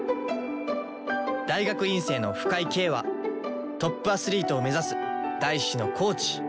大学院生の深井京はトップアスリートを目指す大志のコーチ。